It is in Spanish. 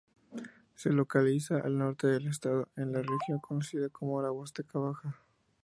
Se localiza al norte del estado, en la región conocida como la Huasteca Baja.